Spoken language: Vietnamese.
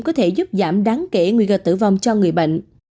có thể giúp giảm đáng kể nguy cơ tử vong cho người bệnh